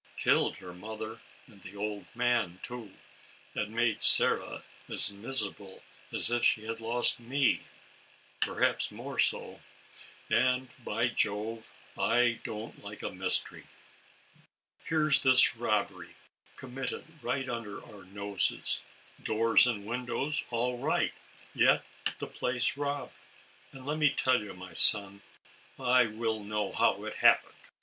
Killed her mother and the old man, too, and made Sara as miserable as if she had lost me (perhaps more so); and, by Jove, I ALICE ; OR, THE WAGES OF Sift. 61 don't like mystery. Here's this robbery, commit ted right under our noses— doors and windows all right, yet the place robbed; and, le' me tell you, my son, I will know how it happened."